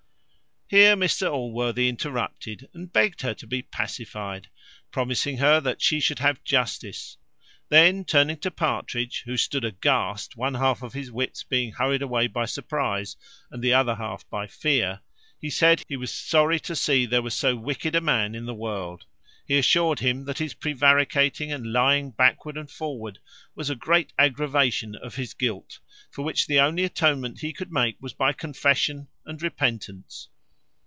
Here Mr Allworthy interrupted, and begged her to be pacified, promising her that she should have justice; then turning to Partridge, who stood aghast, one half of his wits being hurried away by surprize and the other half by fear, he said he was sorry to see there was so wicked a man in the world. He assured him that his prevaricating and lying backward and forward was a great aggravation of his guilt; for which the only atonement he could make was by confession and repentance.